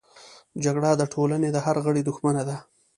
جګړه د ټولنې د هر غړي دښمنه ده